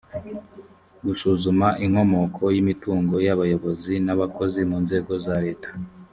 gusuzuma inkomoko y imitungo y abayobozi n abakozi mu nzego za leta